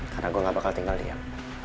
karena gue gak bakal tinggal diam